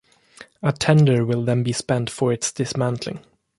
A tender will then be spent for its dismantling.